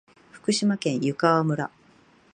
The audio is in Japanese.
福島県湯川村